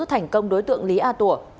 thành công đối tượng lý a tủa